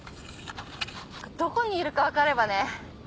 どこにいるか分かればね。